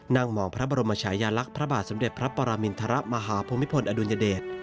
นั่งมองพระบรมชายาลักษณ์พระบาทสมเด็จพระปรมินทรมาฮภูมิพลอดุลยเดช